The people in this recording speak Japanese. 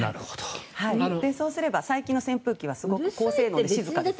併用すれば最近の扇風機はすごく高性能で静かです。